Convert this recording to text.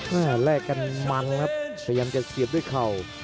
แลกกันมันครับพยายามจะเสียบด้วยเข่า